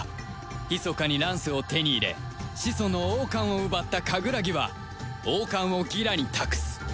ひそかにランスを手に入れ始祖の王冠を奪ったカグラギは王冠をギラに託す